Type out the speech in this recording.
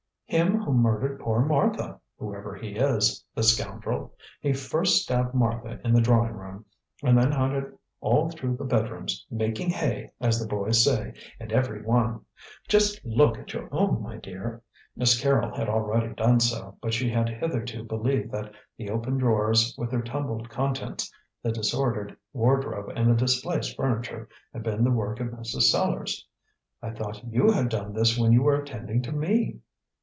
"Him who murdered poor Martha, whoever he is, the scoundrel. He first stabbed Martha in the drawing room, and then hunted all through the bedrooms, making hay, as the boys say, in every one. Just look at your own, my dear." Miss Carrol had already done so, but she had hitherto believed that the open drawers, with their tumbled contents, the disordered wardrobe, and the displaced furniture, had been the work of Mrs. Sellars. "I thought you had done this when you were attending to me."